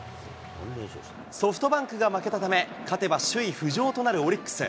ソフトバンクが負けたため、勝てば首位浮上となるオリックス。